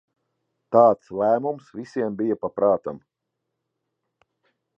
Tāds lēmums visiem bija pa prātam.